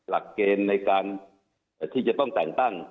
หลักเกณฑ์ในการที่จะต้องแต่งตั้ง